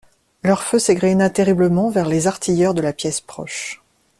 Leur feu s'égrena terriblement vers les artilleurs de la pièce proche.